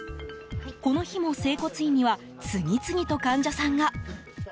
この日も整骨院には次々と患者さんが。